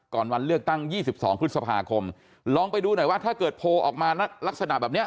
วันเลือกตั้ง๒๒พฤษภาคมลองไปดูหน่อยว่าถ้าเกิดโพลออกมาลักษณะแบบนี้